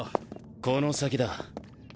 この先だ。